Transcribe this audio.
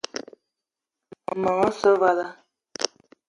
Meng osse vala.